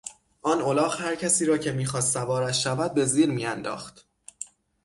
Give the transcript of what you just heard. آن الاغ هر کسی را که میخواست سوارش شود به زیر میانداخت.